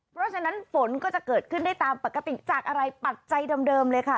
เพราะฉะนั้นฝนก็จะเกิดขึ้นได้ตามปกติจากอะไรปัจจัยเดิมเลยค่ะ